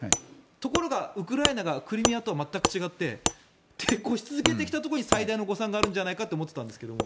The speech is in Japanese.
ところがウクライナがクリミアとは全く違って抵抗し続けてきたところに最大の誤算が思っていたんですけども。